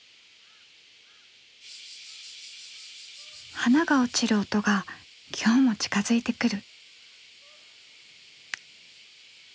花が落ちる音が今日も近づいてくる。